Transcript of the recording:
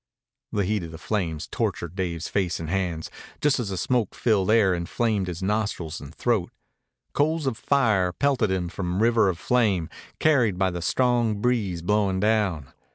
The heat of the flames tortured Dave's face and hands, just as the smoke filled air inflamed his nostrils and throat. Coals of fire pelted him from the river of flame, carried by the strong breeze blowing down.